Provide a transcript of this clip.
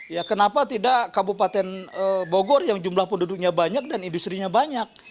ya kenapa tidak kabupaten bogor yang jumlah penduduknya banyak dan industri nya banyak